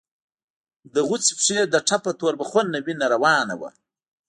د غوڅې پښې له ټپه تور بخونه وينه روانه وه.